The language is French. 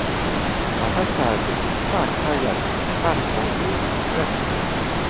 La façade du Park Hyatt Paris-Vendôme est classée.